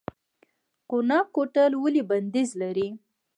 قوناق کوتل ولې بندیز لري؟